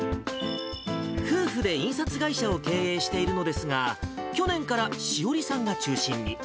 夫婦で印刷会社を経営しているのですが、去年から詩織さんが中心に。